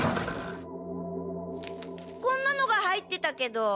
こんなのが入ってたけど。